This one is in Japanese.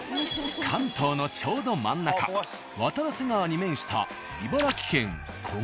関東のちょうど真ん中渡良瀬川に面した茨城県古河市。